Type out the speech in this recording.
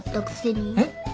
えっ？